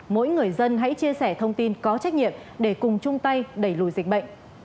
mỗi người dân hãy chia sẻ thông tin có trách nhiệm để cùng chung tay đẩy lùi dịch bệnh